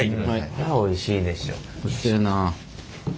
これはおいしいでしょ。